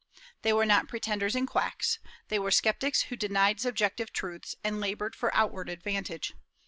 They were not pretenders and quacks; they were sceptics who denied subjective truths, and labored for outward advantage.